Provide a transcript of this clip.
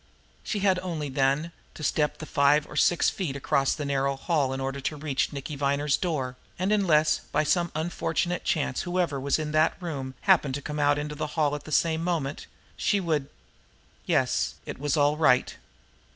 She had only, then, to step the five or six feet across the narrow hall in order to reach Nicky Viner's door, and unless by some unfortunate chance whoever was in that room happened to come out into the hall at the same moment, she would Yes, it was all right!